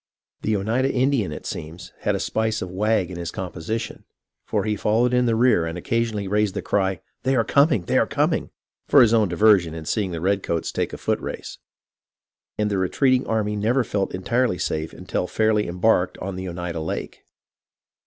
" The Oneida Indian, it seems, had a spice of the wag in his composition, for he followed in the rear, and occa sionally raised the cry, ' They are coming ! They are com ing !' for his own diversion in seeing the redcoats take a foot race; and the retreating army never felt entirely safe until fairly embarked on the Oneida Lake.